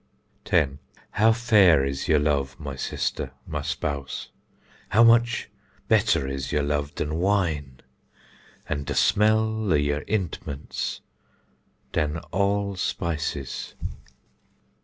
10. How fair is yer love, my sister, my spouse! how much better is yer love dan wine! an de smell of yer ïntments dan all spices.